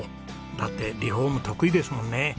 だってリフォーム得意ですもんね。